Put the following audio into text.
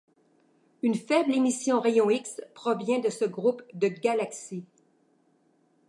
Une faible émission rayon X provient de ce groupe de galaxies.